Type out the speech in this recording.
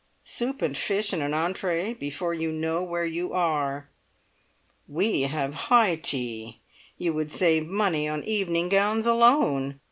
Soup and fish and an entree before you know where you are. We have high tea. You would save money on evening gowns alone.